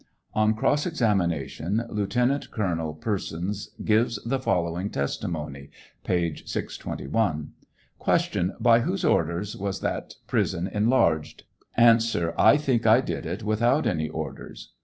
707 On cross examination, Lieutenant Colonel Persons gives the following testi mony, (page 621:) Q. By whose orders was that prison enlarged 1 A. I think I did it without any orders.